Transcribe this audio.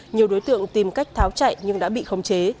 nhiều đối tượng tìm cách tháo chạy nhưng đã bị khống chế